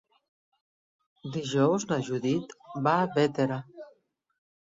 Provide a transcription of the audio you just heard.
Dijous na Judit va a Bétera.